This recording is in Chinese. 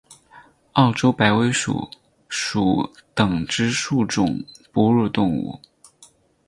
澳洲白尾鼠属等之数种哺乳动物。